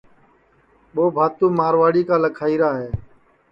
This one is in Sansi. ٻو بھاتو مارواڑی کا لکھائیرا ہے